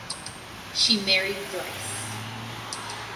She married thrice.